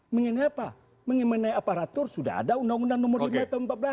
mengenai apa mengenai aparatur sudah ada undang undang nomor lima tahun empat belas